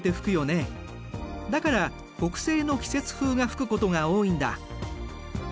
だから北西の季節風が吹くことが多いんだ。